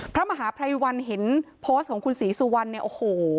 พระมหาพระอิวัลเห็นโพสต์ของคุณศรีสุวรรณโอ้โห